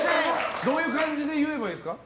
どういう感じで言えばいいですか？